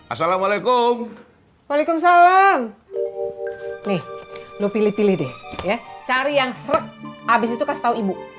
assalamualaikum waalaikumsalam nih lu pilih pilih deh cari yang serek abis itu kasih tahu ibu